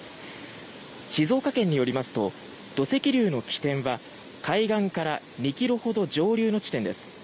静岡県によりますと土石流の起点は海岸から２ｋｍほど上流の地点です。